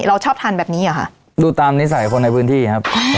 เราชอบทานแบบนี้เหรอคะดูตามนิสัยคนในพื้นที่ครับ